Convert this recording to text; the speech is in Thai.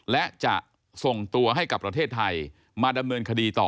และจะส่งตัวให้กับประเทศไทยมาดำเนินคดีต่อ